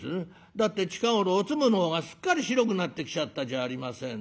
「だって近頃おつむの方がすっかり白くなってきちゃったじゃありませんの。